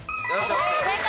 正解！